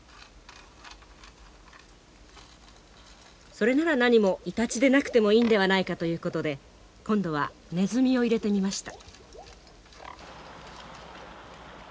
それならなにもイタチでなくてもいいんではないかということで今度はネズミを入れてみました。